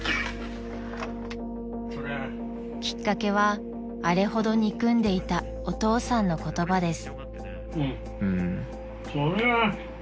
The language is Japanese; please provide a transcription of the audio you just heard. ［きっかけはあれほど憎んでいたお父さんの言葉です］